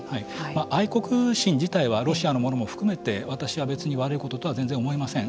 愛国心自体はロシアのものも含めて私は別に悪いこととは全然思いません。